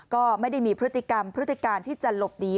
ก็ไม่ได้มีพฤติกรรมพฤติการที่จะหลบหนี